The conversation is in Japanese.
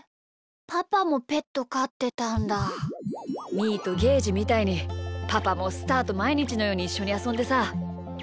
みーとゲージみたいにパパもスターとまいにちのようにいっしょにあそんでさ。